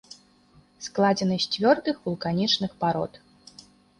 Складзены з цвёрдых вулканічных парод.